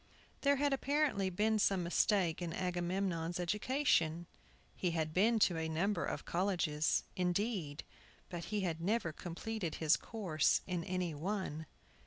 THERE had apparently been some mistake in Agamemnon's education. He had been to a number of colleges, indeed, but he had never completed his course in any one.